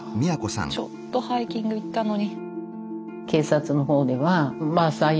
ちょっとハイキング行ったのに。